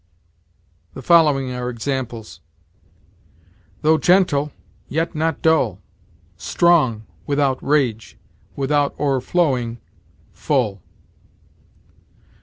The following are examples: "Though gentle, yet not dull; Strong, without rage; without o'erflowing, full."